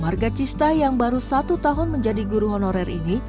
warga cista yang baru satu tahun menjadi guru honorer ini